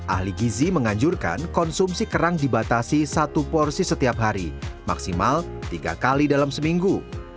ahli gizi menganjurkan konsumsi kerang dibatasi satu porsi setiap hari maksimal tiga kali dalam seminggu